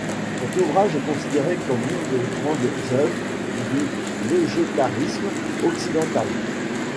Cet ouvrage est considéré comme l'une des grandes œuvres du végétarisme occidental.